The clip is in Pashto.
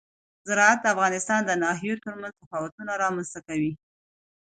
زراعت د افغانستان د ناحیو ترمنځ تفاوتونه رامنځ ته کوي.